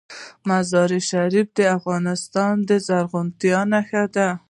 مزارشریف د افغانستان د زرغونتیا نښه ده.